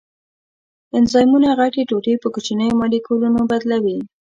انزایمونه غټې ټوټې په کوچنیو مالیکولونو بدلوي.